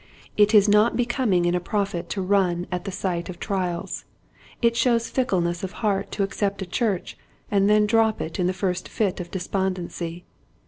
It is not becoming in a prophet to run at the sight of trials. It shows fickleness of heart to accept a church and then drop it in the first fit of despondency.